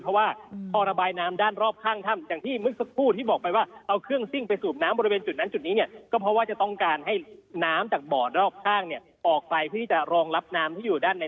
เพราะว่าพอระบายน้ำด้านรอบข้างถ้ำ